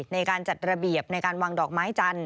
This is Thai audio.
ในการจัดระเบียบในการวางดอกไม้จันท